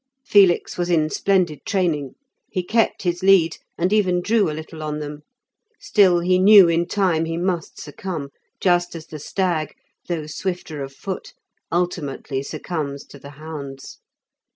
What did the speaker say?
Felix was in splendid training; he kept his lead, and even drew a little on them. Still he knew in time he must succumb, just as the stag, though swifter of foot, ultimately succumbs to the hounds.